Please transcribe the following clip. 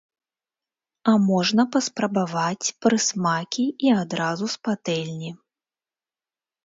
А можна паспрабаваць прысмакі і адразу з патэльні.